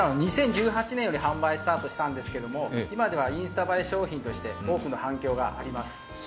２０１８年より販売スタートしたんですけど、今ではインスタ映え商品として反響があります。